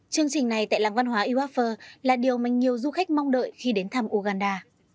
chương trình này tại làng văn hóa iwafi là điều mà nhiều du khách mong đợi khi đến thăm uganda